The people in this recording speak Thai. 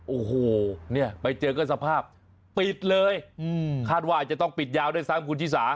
โอ้โหเนี่ยไปเจอก็สภาพปิดเลยคาดว่าอาจจะต้องปิดยาวด้วยซ้ำคุณชิสา